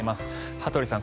羽鳥さん